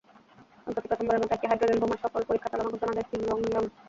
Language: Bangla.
সম্প্রতি প্রথমবারের মতো একটি হাইড্রোজেন বোমার সফল পরীক্ষা চালানোর ঘোষণা দেয় পিয়ংইয়ং।